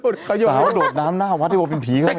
สาวโดดน้ำหน้าวัฒนภาพวิวเป็นผีเข้าแล้วนะ